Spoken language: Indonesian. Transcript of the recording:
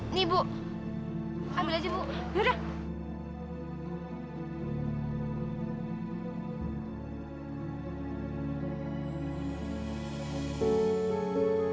ini bu ambil aja bu yaudah